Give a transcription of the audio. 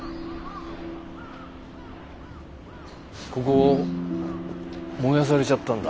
ここ燃やされちゃったんだ。